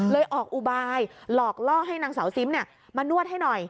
ออกอุบายหลอกล่อให้นางสาวซิมมานวดให้หน่อย